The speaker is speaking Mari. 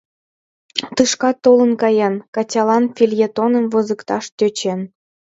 Тышкат толын каен, Катялан фельетоным возыкташ тӧчен.